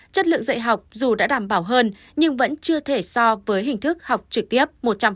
chất lượng dạy học dù đã đảm bảo hơn nhưng vẫn chưa thể so với hình thức học trực tiếp một trăm linh